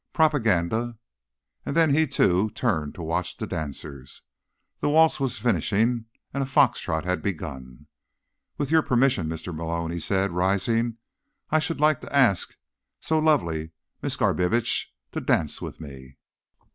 "Propaganda." And then he, too, turned to watch the dancers. The waltz was finishing, and a fox trot had begun. "With your permission, Mr. Malone," he said, rising, "I should like to ask so lovely Miss Garbitsch to dance with me."